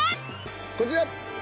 こちら。